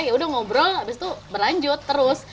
ya udah ngobrol abis itu berlanjut terus